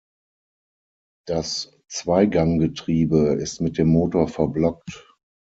Das Zweiganggetriebe ist mit dem Motor verblockt.